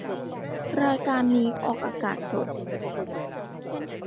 รายการนี้ออกอากาศสด